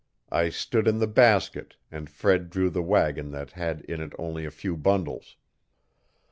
I stood in the basket and Fred drew the wagon that had in it only a few bundles.